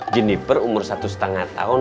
gini per umur satu setengah tahun